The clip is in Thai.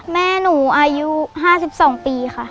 แม่หนูอายุ๕๒ปีค่ะ